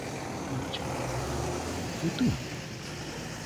Lấy chồng làm lớn, cứ tưởng!